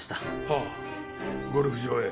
はあゴルフ場へ？